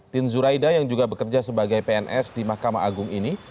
tin zuraida yang juga bekerja sebagai pns di mahkamah agung ini